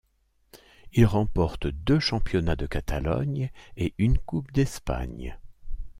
Il remporte deux championnats de Catalogne et une Coupe d'Espagne.